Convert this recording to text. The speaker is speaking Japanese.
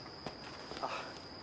あっ。